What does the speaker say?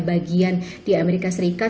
bagian di amerika serikat